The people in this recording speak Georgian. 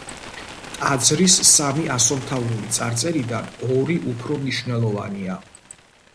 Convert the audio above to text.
ტაძრის სამი ასომთავრული წარწერიდან ორი უფრო მნიშვნელოვანია.